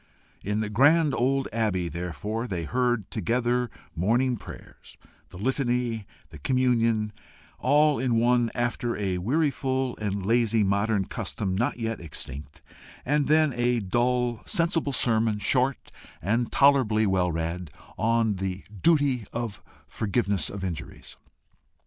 In the grand old Abbey, therefore, they heard together morning prayers, the Litany, and the Communion, all in one, after a weariful and lazy modern custom not yet extinct, and then a dull, sensible sermon, short, and tolerably well read, on the duty of forgiveness of injuries.